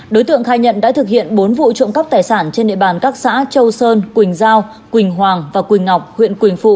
đối tượng khai nhận đã thực hiện bốn vụ trộm cắp tài sản trên địa bàn các xã châu sơn quỳnh giao quỳnh hoàng và quỳnh ngọc huyện quỳnh phụ